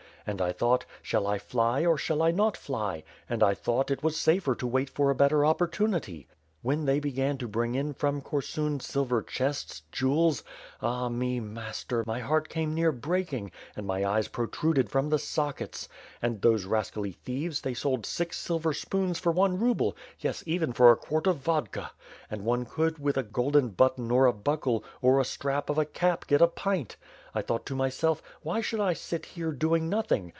And I thought, 'shall I fly or shall I not fly;' and I thought it was safer to wait for a better opportunity. When they began to bring in from Korsun silver chests, jewels. ... Ah, me, master, my heart came near breaking; and my eyes protruded from the sockets. And these rascally thieves, they sold six silver spoons for one rouble, yes, even for a quart of vodki; and one could, with a golden button or a buckle, or a strap of a cap get a pint. I thought to my self, why should I sit here, doing nothing.